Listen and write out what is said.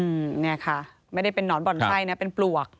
อืมเนี่ยค่ะไม่ได้เป็นนอนบ่อนไส้นะเป็นปลวก